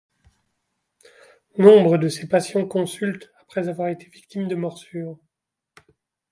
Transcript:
Nombre de ses patients consultent après avoir été victimes de morsures.